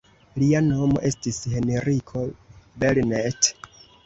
Lia nomo estis Henriko Belnett.